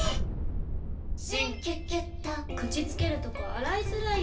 口つけるとこ洗いづらい！